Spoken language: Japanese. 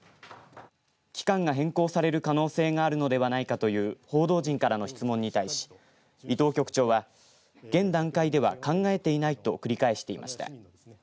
期間が変更される可能性があるのではないかという報道陣からの質問に対し伊藤局長は現段階では考えていないと繰り返していました。